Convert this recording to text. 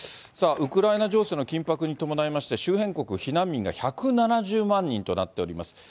さあ、ウクライナ情勢の緊迫に伴いまして、周辺国、避難民が１７０万人となっております。